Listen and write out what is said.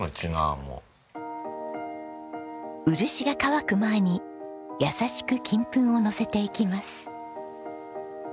漆が乾く前に優しく金粉をのせていきます。